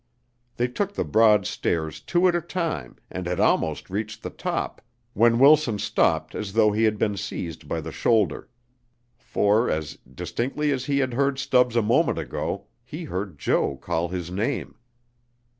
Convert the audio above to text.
They took the broad stairs two at a time, and had almost reached the top when Wilson stopped as though he had been seized by the shoulder. For, as distinctly as he had heard Stubbs a moment ago, he heard Jo call his name.